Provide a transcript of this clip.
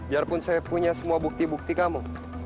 biarpun saya punya semua bukti bukti kamu